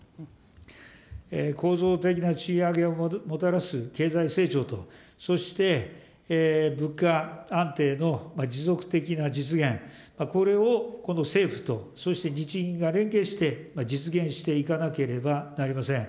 構造的な賃上げをもたらす経済成長と、そして、物価安定の持続的な実現、これをこの政府とそして日銀が連携して実現していかなければなりません。